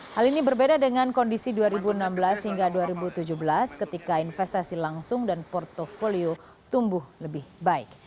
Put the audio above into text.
hal ini berbeda dengan kondisi dua ribu enam belas hingga dua ribu tujuh belas ketika investasi langsung dan portfolio tumbuh lebih baik